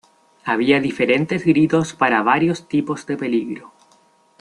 Había diferentes gritos para varios tipos de peligro.